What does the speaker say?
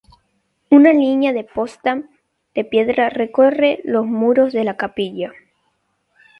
Una línea de imposta de piedra recorre los muros de la capilla.